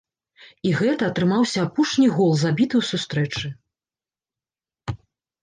І гэта атрымаўся апошні гол, забіты ў сустрэчы.